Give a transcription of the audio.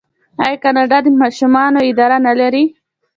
آیا کاناډا د ماشومانو اداره نلري؟